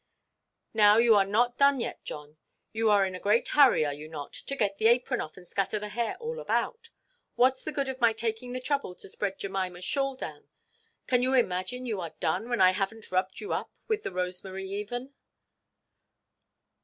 "Now, you are not done yet, John. You are in a great hurry, are you not, to get the apron off and scatter the hair all about? Whatʼs the good of my taking the trouble to spread Jemimaʼs shawl down? Can you imagine you are done, when I havenʼt rubbed you up with the rosemary even?"